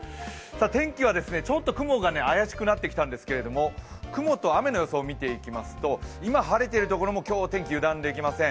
天気はちょっと雲が怪しくなってきたんですけども、雲と雨の予想を見ていきますと今、晴れているところも今日、天気、油断できません。